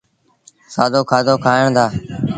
سآدو کآدو کائيٚݩ دآ۔